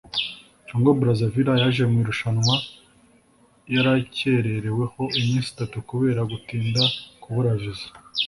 Congo Brazzaville yaje mu irushanwa yarakerereweho iminsi itatu kubera gutinda kubura visa